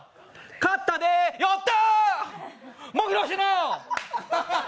買ったで、やった！